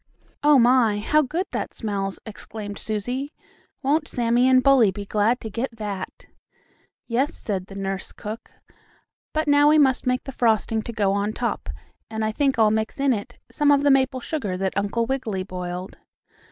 "Oh, my! How good that smells!" exclaimed Susie. "Won't Sammie and Bully be glad to get that?" "Yes," said the nurse cook, "but now we must make the frosting to go on top, and I think I'll mix in it some of the maple sugar that Uncle Wiggily boiled."